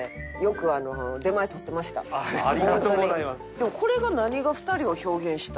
でもこれが何が２人を表現した？